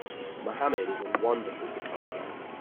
Mohammed is a wonderful guitar player.